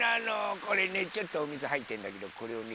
これねちょっとおみずはいってんだけどこれをね